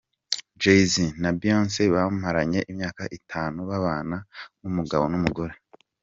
Jay-Z na Beyonce bamaranye imyaka itanu babana nk'umugabo n'umugore.